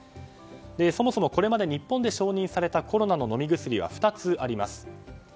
そもそもこれまで日本で承認されたコロナの飲み薬は２つあります。